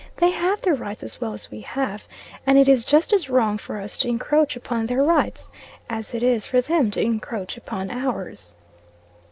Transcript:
They have their rights, as well, as we have, and it is just as wrong for us to encroach upon their rights, as it is for them to encroach upon ours."